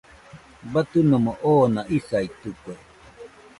Batɨnomo oona isaitɨkue.